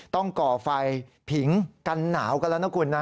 ก่อไฟผิงกันหนาวกันแล้วนะคุณนะ